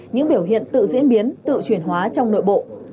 những biểu hiện tự diễn biến tự chuyển hóa trong nội bộ